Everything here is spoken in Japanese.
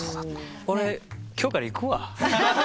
俺今日からいくわ。